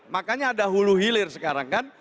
makanya ada hulu hilir sekarang kan